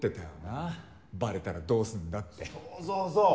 そうそうそう。